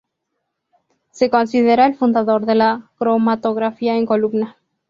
Se considera el fundador de la cromatografía en columna.